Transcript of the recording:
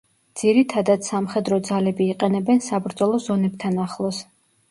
ძირითადად სამხედრო ძალები იყენებენ საბრძოლო ზონებთან ახლოს.